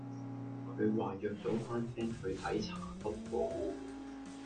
佢話約咗班 fan 去睇查篤喎